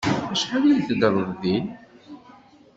Acḥal ay teddreḍ din?